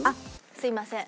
「すいません」。